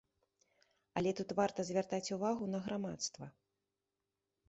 Але тут варта звяртаць увагу на грамадства.